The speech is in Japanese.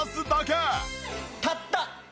たった。